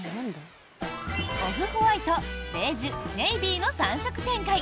オフホワイト、ベージュネイビーの３色展開。